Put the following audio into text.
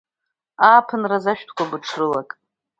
Ааԥынраз ашәҭқәа быҽрылак…